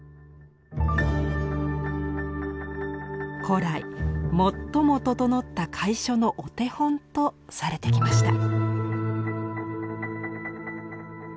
古来最も整った楷書のお手本とされてきました。